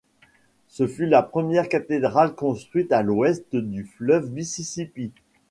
Ce fut la première cathédrale construite à l'ouest du fleuve Mississippi.